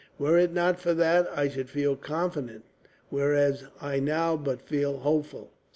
Were it not for that, I should feel confident; whereas I now but feel hopeful.